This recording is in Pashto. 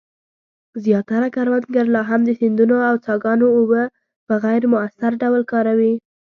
زیاتره کروندګر لا هم د سیندونو او څاګانو اوبه په غیر مؤثر ډول کاروي.